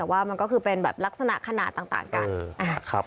แต่ว่ามันก็คือเป็นแบบลักษณะขนาดต่างกัน